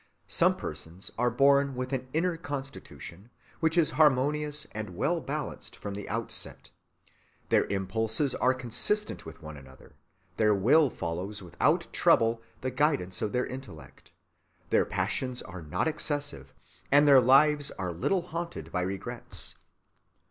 (88) Some persons are born with an inner constitution which is harmonious and well balanced from the outset. Their impulses are consistent with one another, their will follows without trouble the guidance of their intellect, their passions are not excessive, and their lives are little haunted by regrets.